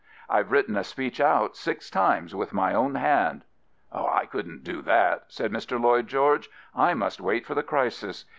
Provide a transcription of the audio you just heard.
Fve written a speech out six times with my own hand. I couldn*t do that, said Mr. Lloyd George. " I must wait for the crisis.